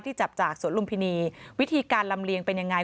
จับจากสวนลุมพินีวิธีการลำเลียงเป็นยังไง